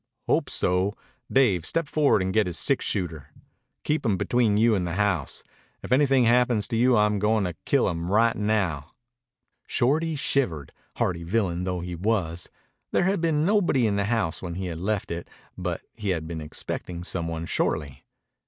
"Hope so. Dave, step forward and get his six shooter. Keep him between you and the house. If anything happens to you I'm goin' to kill him right now." Shorty shivered, hardy villain though he was. There had been nobody in the house when he left it, but he had been expecting some one shortly.